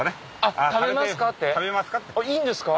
食べますか？